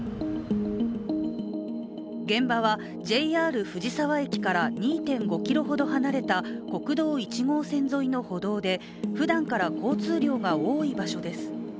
現場はＪＲ藤沢駅から２．５ｋｍほど離れた国道一号線沿いの歩道でふだんから交通量が多い場所です。